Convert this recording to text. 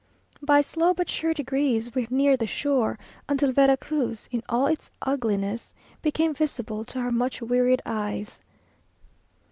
By slow but sure degrees, we neared the shore, until Vera Cruz, in all its ugliness, became visible to our much wearied eyes.